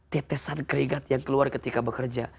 tetesan keringat yang keluar ketika bekerja